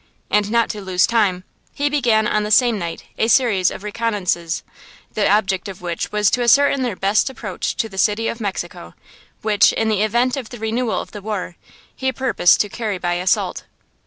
And not to lose time, he began on the same night a series of reconnaisances, the object of which was to ascertain their best approach to the city of Mexico, which, in the event of the renewal of the war, he purposed to carry by assault.